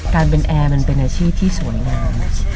การเป็นแอร์มันเป็นอาชีพที่สวยงาม